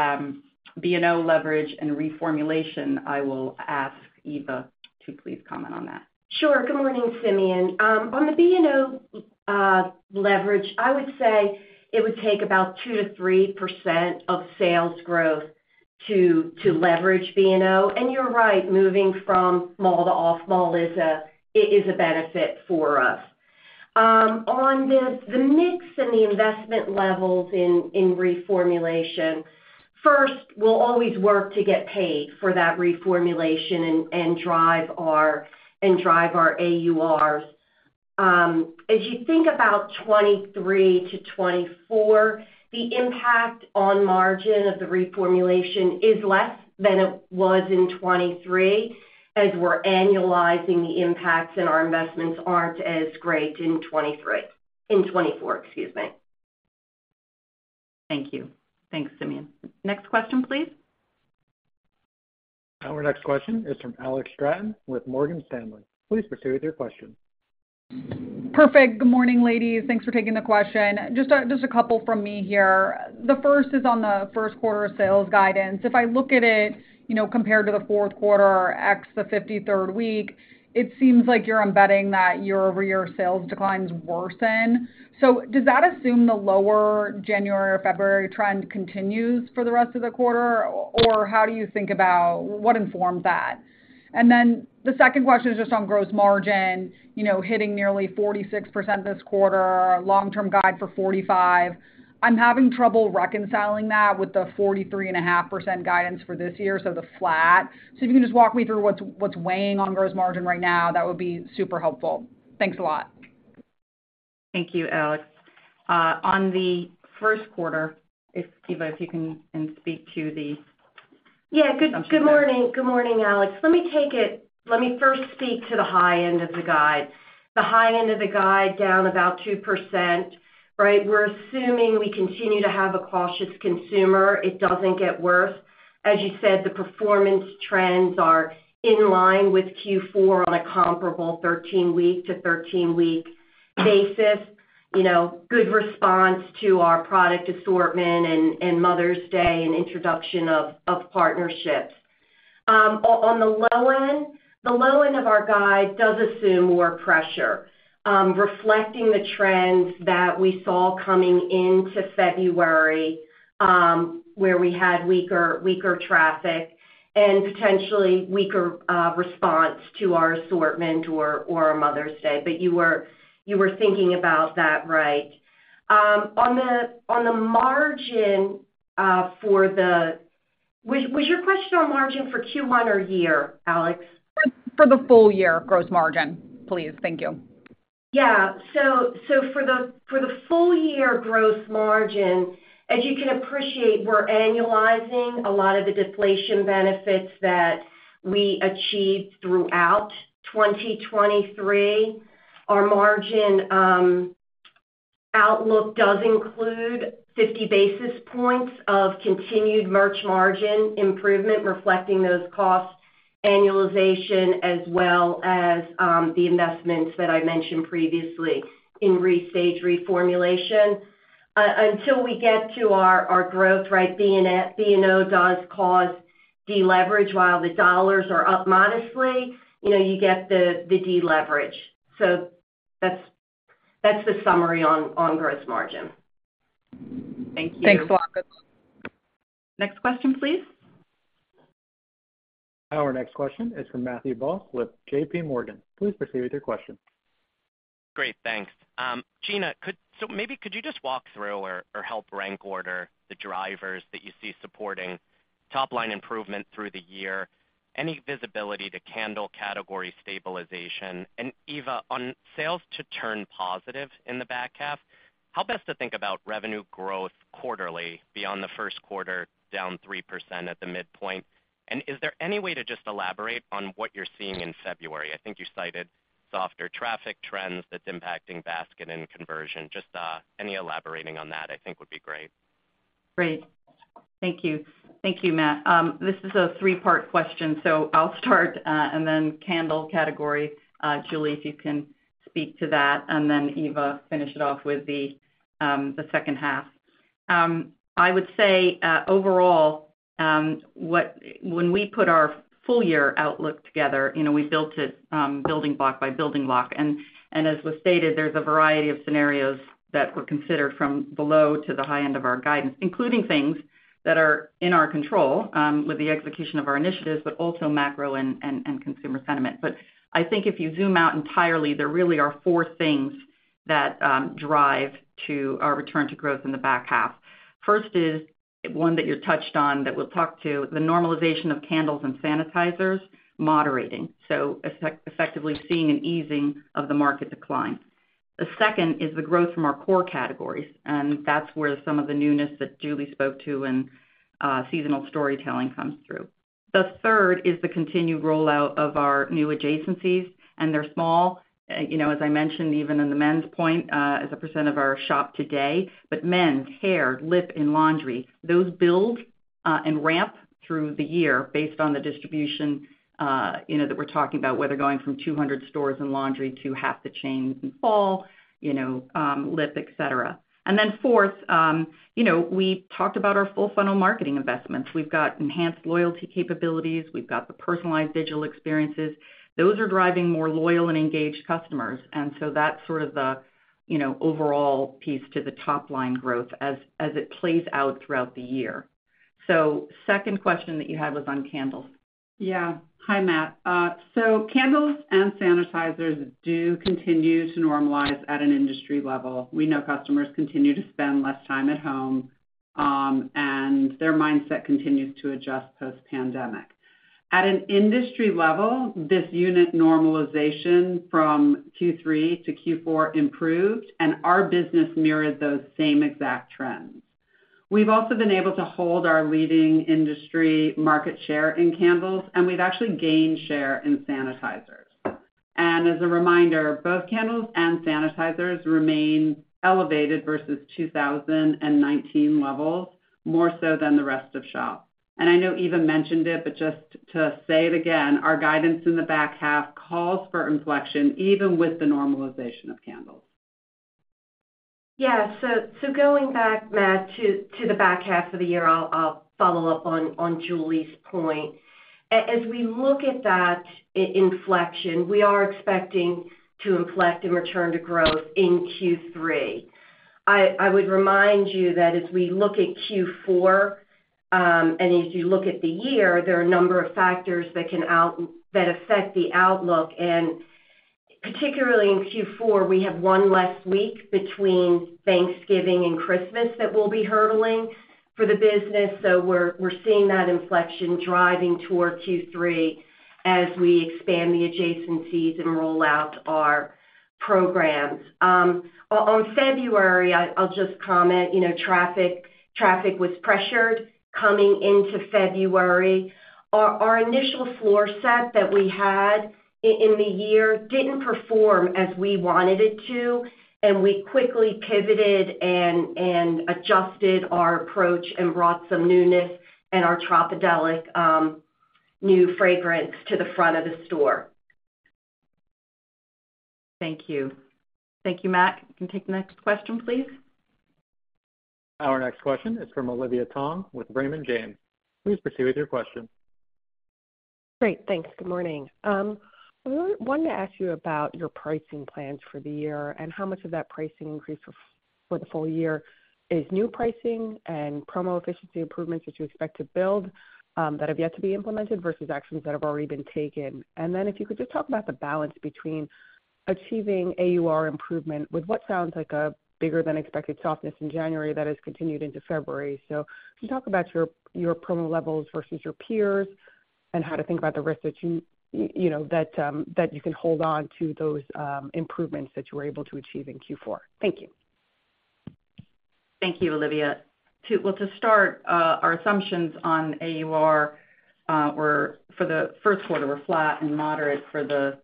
B&O leverage and reformulation, I will ask Eva to please comment on that. Sure. Good morning, Simeon. On the B&O leverage, I would say it would take about 2%-3% of sales growth to leverage B&O. And you're right. Moving from mall to off mall is a benefit for us. On the mix and the investment levels in reformulation, first, we'll always work to get paid for that reformulation and drive our AURs. As you think about 2023 to 2024, the impact on margin of the reformulation is less than it was in 2023 as we're annualizing the impacts, and our investments aren't as great in 2024, excuse me. Thank you. Thanks, Simeon. Next question, please. Our next question is from Alex Straton with Morgan Stanley. Please proceed with your question. Perfect. Good morning, ladies. Thanks for taking the question. Just a couple from me here. The first is on the first quarter sales guidance. If I look at it compared to the fourth quarter ex the 53rd week, it seems like you're embedding that year-over-year sales declines worsen. So does that assume the lower January or February trend continues for the rest of the quarter, or how do you think about what informs that? And then the second question is just on gross margin, hitting nearly 46% this quarter, long-term guide for 45%. I'm having trouble reconciling that with the 43.5% guidance for this year, so the flat. So if you can just walk me through what's weighing on gross margin right now, that would be super helpful. Thanks a lot. Thank you, Alex. On the first quarter, Eva, if you can speak to the. Yeah. Good morning. Good morning, Alex. Let me first speak to the high end of the guide. The high end of the guide, down about 2%, right? We're assuming we continue to have a cautious consumer. It doesn't get worse. As you said, the performance trends are in line with Q4 on a comparable 13-week to 13-week basis, good response to our product assortment and Mother's Day and introduction of partnerships. On the low end, the low end of our guide does assume more pressure, reflecting the trends that we saw coming into February where we had weaker traffic and potentially weaker response to our assortment or our Mother's Day. But you were thinking about that, right? On the margin for the year? Was your question on margin for Q1 or year, Alex? For the full year gross margin, please. Thank you. Yeah. So for the full year gross margin, as you can appreciate, we're annualizing a lot of the deflation benefits that we achieved throughout 2023. Our margin outlook does include 50 basis points of continued merch margin improvement reflecting those costs, annualization, as well as the investments that I mentioned previously in restage reformulation. Until we get to our growth, right, B&O does cause deleverage. While the dollars are up modestly, you get the deleverage. So that's the summary on gross margin. Thank you. Thanks. Next question, please. Our next question is from Matthew Boss with JPMorgan. Please proceed with your question. Great. Thanks. Gina, so maybe could you just walk through or help rank order the drivers that you see supporting top-line improvement through the year, any visibility to candle category stabilization? And Eva, on sales to turn positive in the back half, how best to think about revenue growth quarterly beyond the first quarter down 3% at the midpoint? And is there any way to just elaborate on what you're seeing in February? I think you cited softer traffic trends that's impacting basket and conversion. Just any elaborating on that, I think, would be great. Great. Thank you. Thank you, Matt. This is a three-part question. So I'll start, and then candle category. Julie, if you can speak to that, and then Eva finish it off with the second half. I would say overall, when we put our full-year outlook together, we built it building block by building block. As was stated, there's a variety of scenarios that were considered from the low to the high end of our guidance, including things that are in our control with the execution of our initiatives, but also macro and consumer sentiment. But I think if you zoom out entirely, there really are four things that drive our return to growth in the back half. First is one that you touched on that we'll talk to, the normalization of candles and sanitizers, moderating, so effectively seeing an easing of the market decline. The second is the growth from our core categories, and that's where some of the newness that Julie spoke to and seasonal storytelling comes through. The third is the continued rollout of our new adjacencies, and they're small, as I mentioned, even in the men's point as a percent of our shop today. But men's, hair, lip, and laundry, those build and ramp through the year based on the distribution that we're talking about, whether going from 200 stores in laundry to half the chain in fall, lip, etc. And then fourth, we talked about our full-funnel marketing investments. We've got enhanced loyalty capabilities. We've got the personalized digital experiences. Those are driving more loyal and engaged customers. And so that's sort of the overall piece to the top-line growth as it plays out throughout the year. So second question that you had was on candles. Yeah. Hi, Matt. So candles and sanitizers do continue to normalize at an industry level. We know customers continue to spend less time at home, and their mindset continues to adjust post-pandemic. At an industry level, this unit normalization from Q3 to Q4 improved, and our business mirrored those same exact trends. We've also been able to hold our leading industry market share in candles, and we've actually gained share in sanitizers. And as a reminder, both candles and sanitizers remain elevated versus 2019 levels, more so than the rest of shop. And I know Eva mentioned it, but just to say it again, our guidance in the back half calls for inflection even with the normalization of candles. Yeah. So going back, Matt, to the back half of the year, I'll follow up on Julie's point. As we look at that inflection, we are expecting to inflect and return to growth in Q3. I would remind you that as we look at Q4 and as you look at the year, there are a number of factors that affect the outlook. And particularly in Q4, we have one less week between Thanksgiving and Christmas that will be hurtful for the business. So we're seeing that inflection driving toward Q3 as we expand the adjacencies and roll out our programs. On February, I'll just comment, traffic was pressured coming into February. Our initial floor set that we had in the year didn't perform as we wanted it to, and we quickly pivoted and adjusted our approach and brought some newness and our Tropidelic new fragrance to the front of the store. Thank you. Thank you, Matt. You can take the next question, please. Our next question is from Olivia Tong with Raymond James. Please proceed with your question. Great. Thanks. Good morning. I wanted to ask you about your pricing plans for the year and how much of that pricing increase for the full year is new pricing and promo efficiency improvements that you expect to build that have yet to be implemented versus actions that have already been taken? And then if you could just talk about the balance between achieving AUR improvement with what sounds like a bigger-than-expected softness in January that has continued into February? So if you can talk about your promo levels versus your peers and how to think about the risks that you can hold on to those improvements that you were able to achieve in Q4? Thank you. Thank you, Olivia. Well, to start, our assumptions on AUR for the first quarter were flat and moderate for the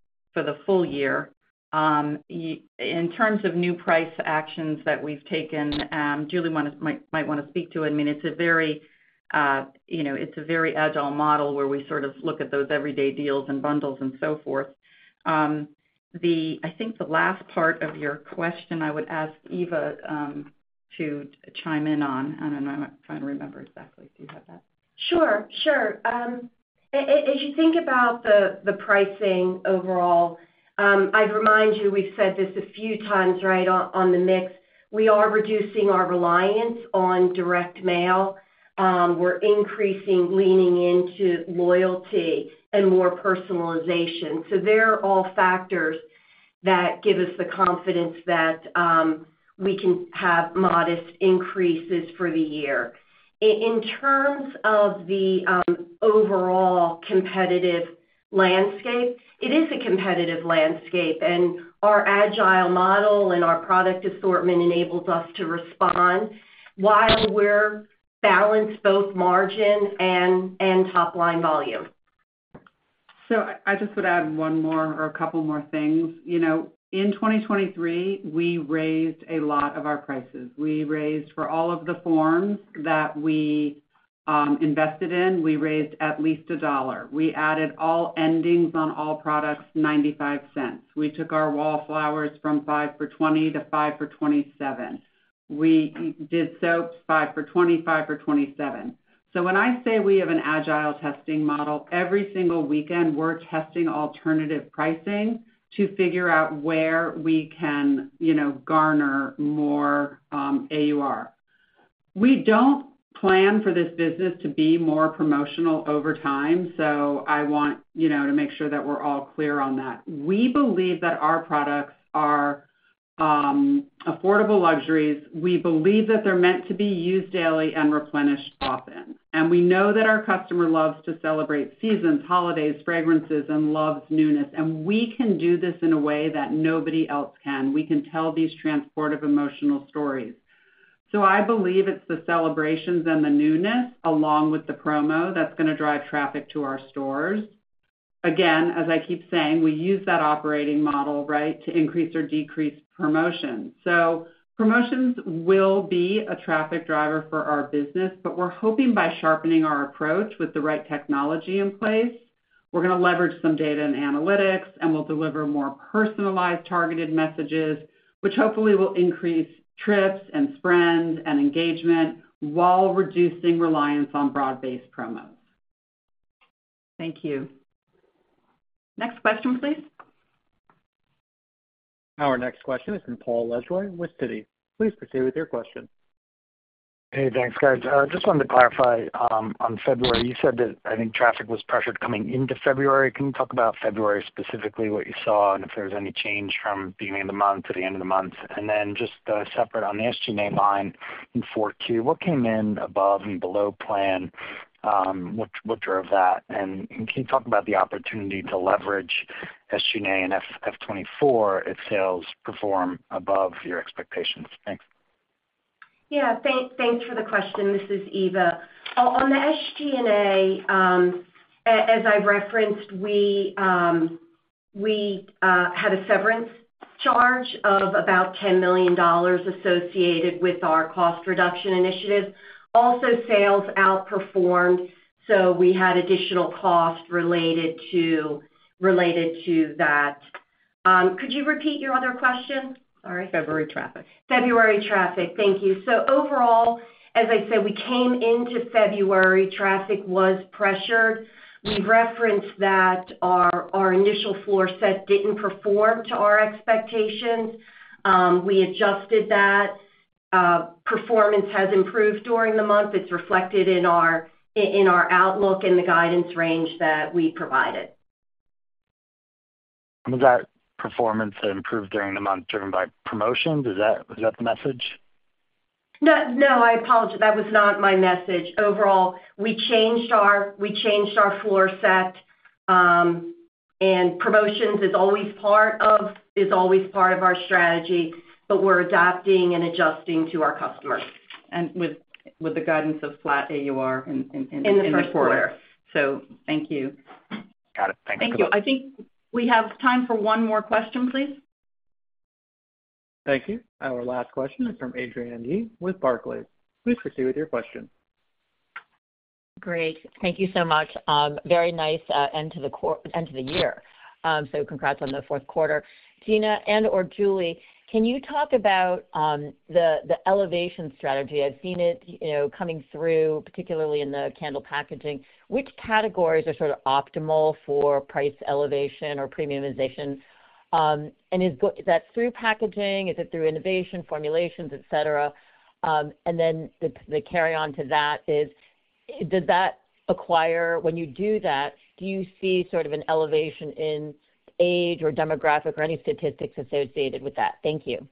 full year. In terms of new price actions that we've taken, Julie might want to speak to it. I mean, it's a very agile model where we sort of look at those everyday deals and bundles and so forth. I think the last part of your question, I would ask Eva to chime in on. I don't know. I'm trying to remember exactly. Do you have that? Sure. Sure. As you think about the pricing overall, I'd remind you, we've said this a few times, right, on the mix, we are reducing our reliance on direct mail. We're increasing leaning into loyalty and more personalization. So they're all factors that give us the confidence that we can have modest increases for the year. In terms of the overall competitive landscape, it is a competitive landscape, and our agile model and our product assortment enables us to respond while we're balanced both margin and top-line volume. So I just would add one more or a couple more things. In 2023, we raised a lot of our prices. We raised for all of the forms that we invested in, we raised at least $1. We added all endings on all products $0.95. We took our Wallflowers from five for $20 to five for $27. We did soaps five for $20, five for $27. So when I say we have an agile testing model, every single weekend, we're testing alternative pricing to figure out where we can garner more AUR. We don't plan for this business to be more promotional over time, so I want to make sure that we're all clear on that. We believe that our products are affordable luxuries. We believe that they're meant to be used daily and replenished often. And we know that our customer loves to celebrate seasons, holidays, fragrances, and loves newness. And we can do this in a way that nobody else can. We can tell these transportive emotional stories. So I believe it's the celebrations and the newness along with the promo that's going to drive traffic to our stores. Again, as I keep saying, we use that operating model, right, to increase or decrease promotions. So promotions will be a traffic driver for our business, but we're hoping by sharpening our approach with the right technology in place, we're going to leverage some data and analytics, and we'll deliver more personalized targeted messages, which hopefully will increase trips and spreads and engagement while reducing reliance on broad-based promos. Thank you. Next question, please. Our next question is from Paul Lejuez with Citi. Please proceed with your question. Hey. Thanks, guys. I just wanted to clarify on February. You said that, I think, traffic was pressured coming into February. Can you talk about February specifically, what you saw, and if there was any change from beginning of the month to the end of the month? And then just separate on the SG&A line in 4Q, what came in above and below plan? What drove that? And can you talk about the opportunity to leverage SG&A and F24 if sales perform above your expectations? Thanks. Yeah. Thanks for the question. This is Eva. On the SG&A, as I've referenced, we had a severance charge of about $10 million associated with our cost reduction initiative. Also, sales outperformed, so we had additional cost related to that. Could you repeat your other question? Sorry. February traffic. February traffic. Thank you. So overall, as I said, we came into February. Traffic was pressured. We've referenced that our initial floor set didn't perform to our expectations. We adjusted that. Performance has improved during the month. It's reflected in our outlook and the guidance range that we provided. I mean, that performance improved during the month driven by promotions. Is that the message? No. I apologize. That was not my message. Overall, we changed our floor set, and promotions is always part of our strategy, but we're adopting and adjusting to our customers. With the guidance of flat AUR in the four-year. In the first quarter. Thank you. Got it. Thank you. Thank you. I think we have time for one more question, please. Thank you. Our last question is from Adrienne Yih with Barclays. Please proceed with your question. Great. Thank you so much. Very nice end to the year. So congrats on the fourth quarter. Gina and/or Julie, can you talk about the elevation strategy? I've seen it coming through, particularly in the candle packaging. Which categories are sort of optimal for price elevation or premiumization? And is that through packaging? Is it through innovation, formulations, etc.? And then the carry-on to that is, when you do that, do you see sort of an elevation in age or demographic or any statistics associated with that? Thank you.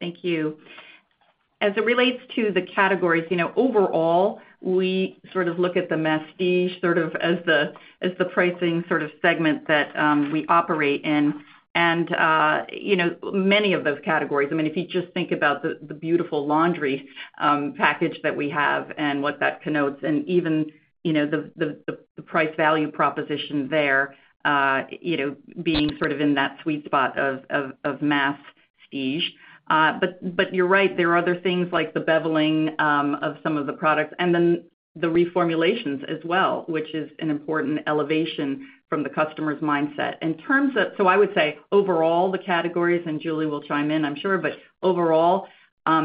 Thank you. As it relates to the categories, overall, we sort of look at the message sort of as the pricing sort of segment that we operate in. And many of those categories, I mean, if you just think about the beautiful laundry package that we have and what that connotes and even the price-value proposition there being sort of in that sweet spot of mass prestige. But you're right. There are other things like the beveling of some of the products and then the reformulations as well, which is an important elevation from the customer's mindset. So I would say overall, the categories, and Julie will chime in, I'm sure, but overall,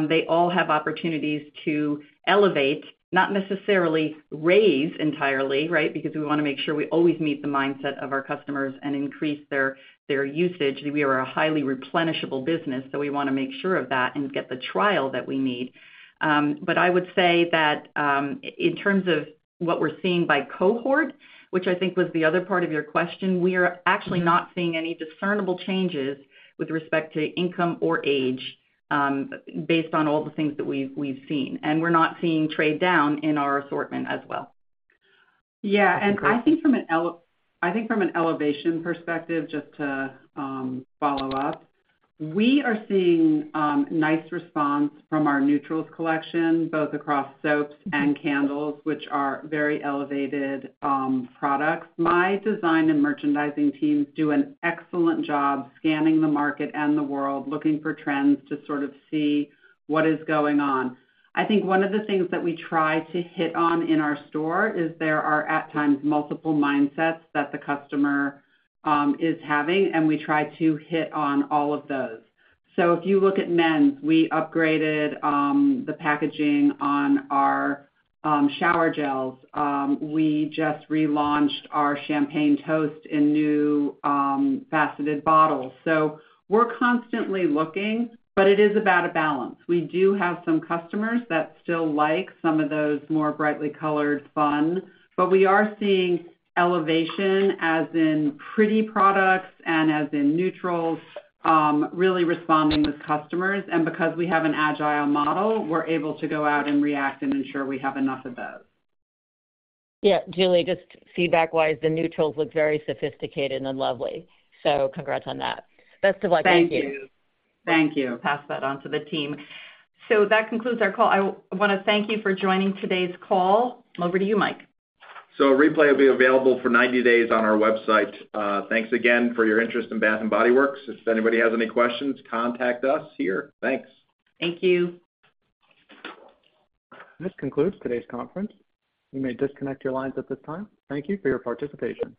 they all have opportunities to elevate, not necessarily raise entirely, right, because we want to make sure we always meet the mindset of our customers and increase their usage. We are a highly replenishable business, so we want to make sure of that and get the trial that we need. But I would say that in terms of what we're seeing by cohort, which I think was the other part of your question, we are actually not seeing any discernible changes with respect to income or age based on all the things that we've seen. And we're not seeing trade down in our assortment as well. Yeah. And I think from an elevation perspective, just to follow up, we are seeing nice response from our neutrals collection, both across soaps and candles, which are very elevated products. My design and merchandising teams do an excellent job scanning the market and the world, looking for trends to sort of see what is going on. I think one of the things that we try to hit on in our store is there are at times multiple mindsets that the customer is having, and we try to hit on all of those. So if you look at men's, we upgraded the packaging on our shower gels. We just relaunched our Champagne Toast in new faceted bottles. So we're constantly looking, but it is about a balance. We do have some customers that still like some of those more brightly colored, fun. But we are seeing elevation as in pretty products and as in neutrals really responding with customers. And because we have an agile model, we're able to go out and react and ensure we have enough of those. Yeah. Julie, just feedback-wise, the neutrals look very sophisticated and lovely. So congrats on that. Best of luck. Thank you. Thank you. Thank you. Pass that on to the team. So that concludes our call. I want to thank you for joining today's call. Over to you, Mike. Replay will be available for 90 days on our website. Thanks again for your interest in Bath & Body Works. If anybody has any questions, contact us here. Thanks. Thank you. This concludes today's conference. You may disconnect your lines at this time. Thank you for your participation.